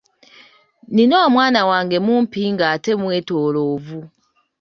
Nina omwana wange mumpi ng’ate mwetooloovu.